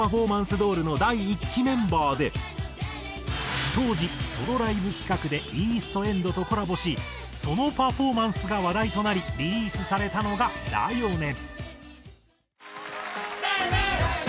ドールの第一期メンバーで当時ソロライブ企画でＥＡＳＴＥＮＤとコラボしそのパフォーマンスが話題となりリリースされたのが『ＤＡ．ＹＯ．ＮＥ』。